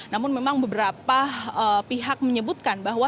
namun memang beberapa pihak menyebutkan bahwa